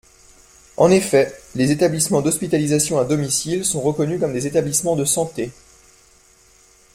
En effet, les établissements d’hospitalisation à domicile sont reconnus comme des établissements de santé.